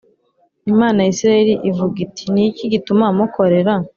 Imana ya Isirayeli ivuga iti Ni iki gituma mukorera